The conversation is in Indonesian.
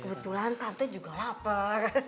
kebetulan tante juga lapar